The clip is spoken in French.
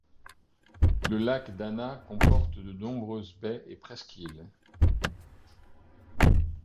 Le lac Dana comporte de nombreuses baies et presqu’îles.